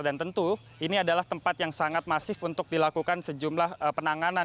dan tentu ini adalah tempat yang sangat masif untuk dilakukan sejumlah penanganan